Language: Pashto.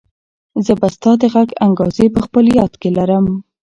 زه به ستا د غږ انګازې په خپل یاد کې لرم.